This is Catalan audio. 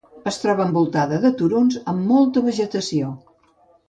Es troba envoltada de turons amb molta vegetació.